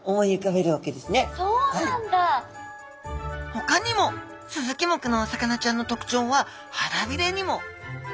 ほかにもスズキ目のお魚ちゃんの特徴は腹びれにも。